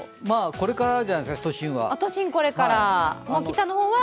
これからじゃないですか、都心は。